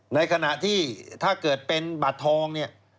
ในขณะที่ถ้าเกิดเป็นบัตรทองเนี่ย